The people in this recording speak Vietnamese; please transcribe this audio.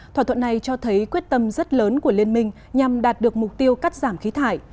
thỏa thuận này cho thấy quyết tâm rất lớn của liên minh nhằm đạt được mục tiêu cắt giảm khí thải